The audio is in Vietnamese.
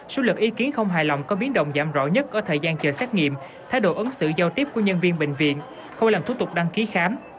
số lượng ý kiến không hài lòng có biến động giảm rõ nhất ở thời gian chờ xét nghiệm thái độ ứng xử giao tiếp của nhân viên bệnh viện không làm thủ tục đăng ký khám